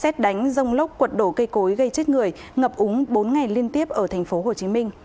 xét đánh rông lốc quật đổ cây cối gây chết người ngập úng bốn ngày liên tiếp ở tp hcm